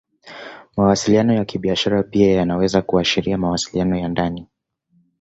Mawasiliano ya Kibiashara pia yanaweza kuashiria mawasiliano ya ndani.